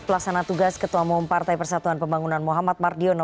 pelaksana tugas ketua umum partai persatuan pembangunan muhammad mardiono